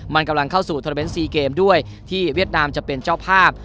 มันกำลังเข้าสู่โทรเมนต์ซีเกมด้วยที่เวียดนามจะเป็นเจ้าภาพ